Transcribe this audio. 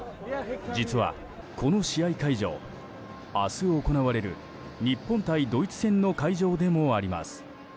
実は、この試合会場明日行われる日本対ドイツ戦の会場でもあります。